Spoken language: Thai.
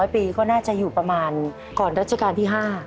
๐ปีก็น่าจะอยู่ประมาณก่อนรัชกาลที่๕